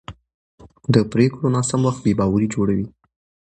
د پرېکړو ناسم وخت بې باوري جوړوي